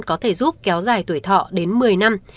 có thể giúp kéo dài tuổi thọ đến một mươi năm